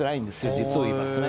実を言いますとね。